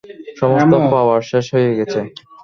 সমস্ত পাওয়ার শেষ হয়ে গেছে!